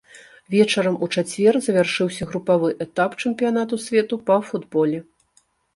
Вечарам у чацвер завяршыўся групавы этап чэмпіянату свету па футболе.